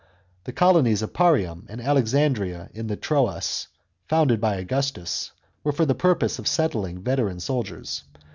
The colonies of Parium, and Alexandria in the Troas, founded by Augustus, were for the purpose of settling veteran soldiers.